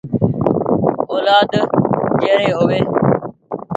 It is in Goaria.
اولآد جي ري هووي ۔